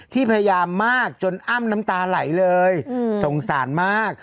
พยายามมากจนอ้ำน้ำตาไหลเลยสงสารมาก